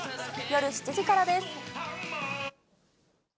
夜７時からです。